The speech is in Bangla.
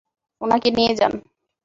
উনাকে নিয়ে যান।